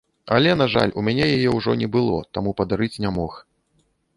Але, на жаль, у мяне яе ўжо не было, таму падарыць не мог.